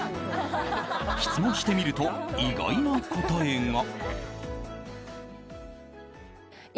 質問してみると、意外な答えが。